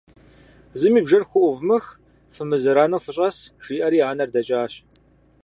– Зыми бжэр хуӏувмых, фымызэрану фыщӏэс, - жиӏэри анэр дэкӏащ.